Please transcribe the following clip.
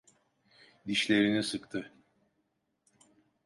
Dişlerini sıktı.